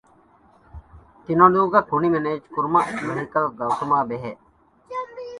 ތިނަދޫގައި ކުނި މެނޭޖްކުރުމަށް ވެހިކަލް ގަތުމާއި ބެހޭ